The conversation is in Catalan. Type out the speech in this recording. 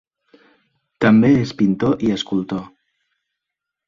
També és pintor i escultor.